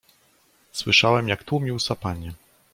"Słyszałem, jak tłumił sapanie."